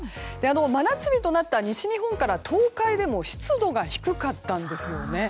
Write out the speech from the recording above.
真夏日となった西日本から東海でも湿度が低かったんですよね。